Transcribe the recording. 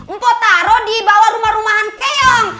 mpok taro di bawah rumah rumahan keong